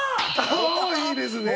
おいいですね！